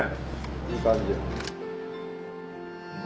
いい感じ。